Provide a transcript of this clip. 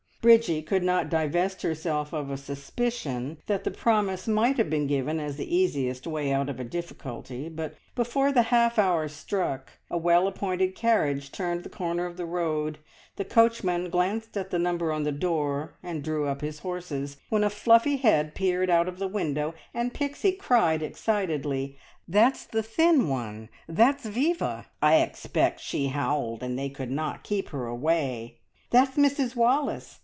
Bridgie could not divest herself of a suspicion that the promise might have been given as the easiest way out of a difficulty, but before the half hour struck a well appointed carriage turned the corner of the road, the coachman glanced at the number on the door, and drew up his horses, when a fluffy head peered out of the window, and Pixie cried excitedly "That's the thin one! That's Viva! I expect she howled, and they could not keep her away. That's Mrs Wallace!